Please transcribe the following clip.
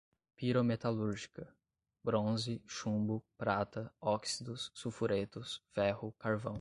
pirometalúrgica, bronze, chumbo, prata, óxidos, sulfuretos, ferro, carvão